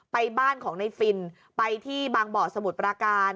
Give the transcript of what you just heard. ไปบ้านของในฟินไปที่บางบ่อสมุทรปราการ